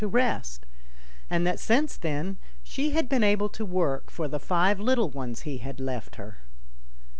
to rest, and that since then she had been able to work for the five little ones he had left her.